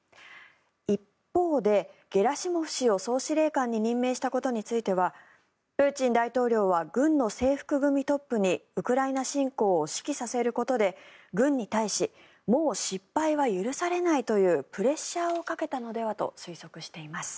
一方でゲラシモフ氏を総司令官に任命したことについてはプーチン大統領が軍の制服組トップにウクライナ侵攻を指揮させることで軍に対しもう失敗は許されないというプレッシャーをかけたのではと推測しています。